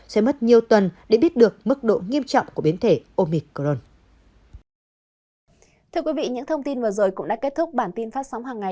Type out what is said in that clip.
sẽ mất nhiều tuần để biết được mức độ nghiêm trọng của biến thể omicron